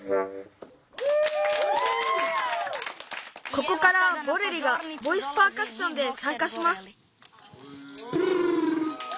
ここからボレリがボイスパーカッションでさんかします。